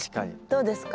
どうですか？